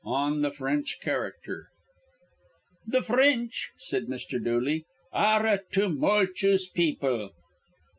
ON THE FRENCH CHARACTER. "Th' Fr rinch," said Mr. Dooley, "ar re a tumulchuse people."